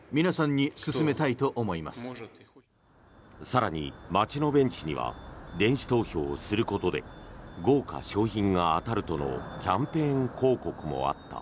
更に、街のベンチには電子投票をすることで豪華賞品が当たるとのキャンペーン広告もあった。